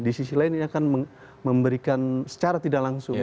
di sisi lainnya akan memberikan secara tidak langsung